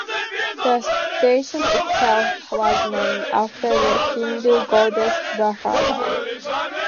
The station itself was named after the Hindu goddess Bharati.